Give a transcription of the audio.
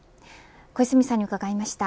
小泉さんに伺いました